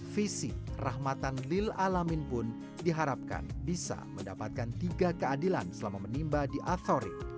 visi rahmatan lil'alamin pun diharapkan bisa mendapatkan tiga keadilan selama menimba di altuarik